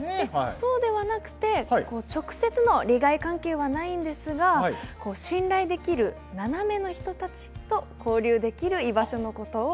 そうではなくて直接の利害関係はないんですが信頼できるナナメの人たちと交流できる居場所のことを。